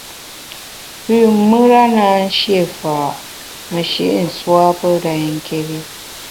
Pü mùra na shié fa’ meshi’ nswa pe renké́ri.